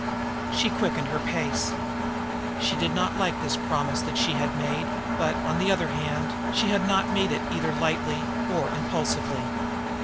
She quickened her pace. She did not like this promise that she had made; but, on the other hand, she had not made it either lightly or impulsively.